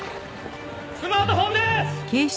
スマートフォンです！